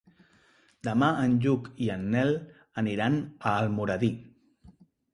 Demà en Lluc i en Nel aniran a Almoradí.